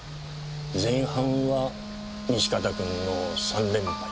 前半は西片くんの三連敗。